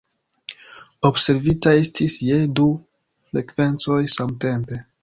Observita estis je du frekvencoj samtempe.